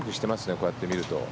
こうやって見ていると。